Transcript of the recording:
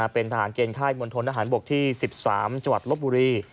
เป็นทหารเกณฑ์ไข้มลทนอาหารบกที่๑๓จวัตรลบบุรี